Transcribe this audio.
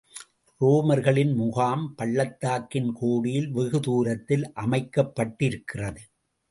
ரோமர்களின் முகாம், பள்ளத்தாக்கின் கோடியில் வெகு தூரத்தில் அமைக்கப்பட்டிருக்கிறது.